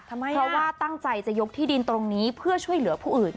เพราะว่าตั้งใจจะยกที่ดินตรงนี้เพื่อช่วยเหลือผู้อื่น